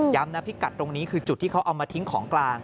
นะพิกัดตรงนี้คือจุดที่เขาเอามาทิ้งของกลาง